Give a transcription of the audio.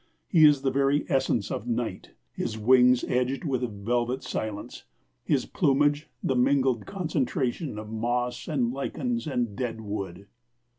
He is the very essence of night, his wings edged with velvet silence, his plumage the mingled concentration of moss and lichens and dead wood.